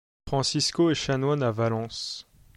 Francisco est chanoine à Valence.